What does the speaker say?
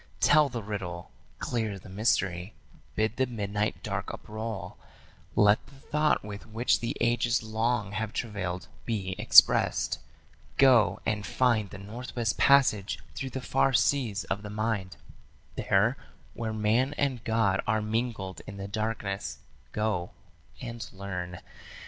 Tell the riddle; clear the mystery; bid the midnight dark uproll; Let the thought with which the ages long have travailed be expressd. Go and find the Northwest Passage through the far seas of the mind, There, where man and God are mingled in the darkness, go and learn.